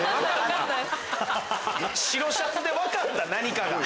白シャツで分かった⁉何かが。